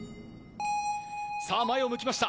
さあ、前を向きました。